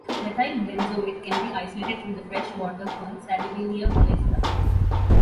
Methyl benzoate can be isolated from the freshwater fern "Salvinia molesta".